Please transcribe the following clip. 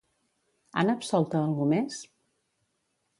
Han absolt a algú més?